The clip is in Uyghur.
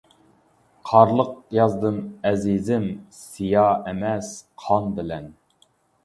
قارلىق يازدىم ئەزىزىم، سىيا ئەمەس قان بىلەن.